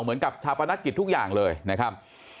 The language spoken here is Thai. เหมือนกับชาปนกิจทุกอย่างเลยนะครับ